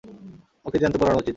ওকে জ্যান্ত পোড়ানো উচিত।